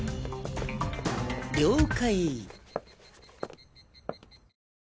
了解！